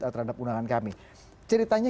terhadap undangan kami ceritanya